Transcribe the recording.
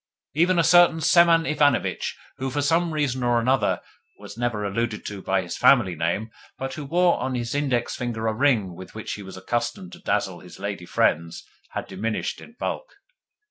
Even a certain Semen Ivanovitch, who, for some reason or another, was never alluded to by his family name, but who wore on his index finger a ring with which he was accustomed to dazzle his lady friends, had diminished in bulk.